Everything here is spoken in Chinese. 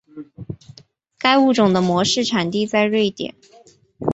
该物种的模式产地在瑞典。